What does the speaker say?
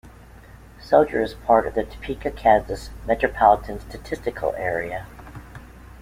Soldier is part of the Topeka, Kansas Metropolitan Statistical Area.